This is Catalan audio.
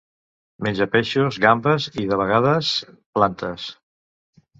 Menja peixos, gambes i, de vegades, plantes.